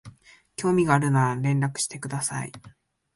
興味があるなら連絡してください